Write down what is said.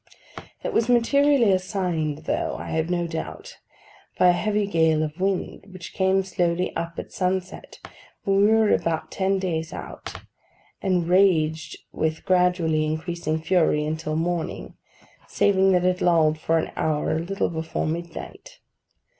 It was materially assisted though, I have no doubt, by a heavy gale of wind, which came slowly up at sunset, when we were about ten days out, and raged with gradually increasing fury until morning, saving that it lulled for an hour a little before midnight.